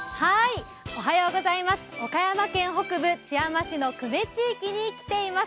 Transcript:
岡山県北部、津山市の久米地域に来ています。